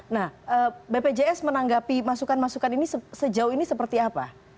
nah bpjs menanggapi masukan masukan ini sejauh ini seperti apa